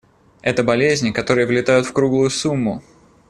Это болезни, которые влетают в круглую сумму.